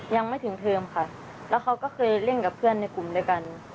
ยังไม่ถึงเทอมค่ะแล้วเขาก็เคยเล่นกับเพื่อนในกลุ่มด้วยกัน